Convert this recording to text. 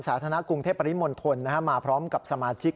ศาลธนาคุงเทพปริมลฑลมาพร้อมกับสมาชิก